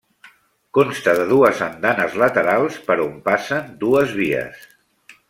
Consta de dues andanes laterals per on passen dues vies.